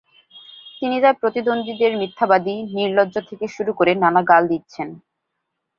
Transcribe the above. তিনি তাঁর প্রতিদ্বন্দ্বীদের মিথ্যাবাদী, নির্লজ্জ থেকে শুরু করে নানা গাল দিচ্ছেন।